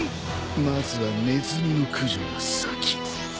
まずはネズミの駆除が先。